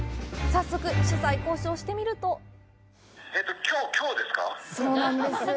早速、取材交渉してみるときょうですか？